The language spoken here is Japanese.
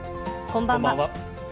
こんばんは。